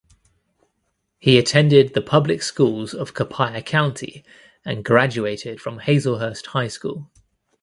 He attended the public schools of Copiah County and graduated from Hazlehurst High School.